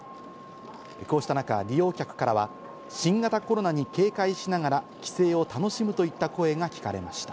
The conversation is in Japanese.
こうした中、利用客からは新型コロナに警戒しながら帰省を楽しむといった声が聞かれました。